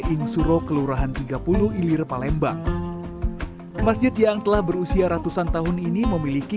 ingsuro kelurahan tiga puluh ilir palembang masjid yang telah berusia ratusan tahun ini memiliki